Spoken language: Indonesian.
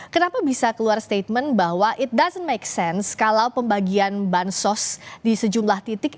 kenapa bisa keluar statement bahwa it ⁇ thats ⁇ a make sense kalau pembagian bansos di sejumlah titik